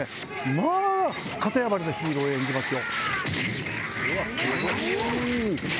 まぁ型破りなヒーローを演じますよ。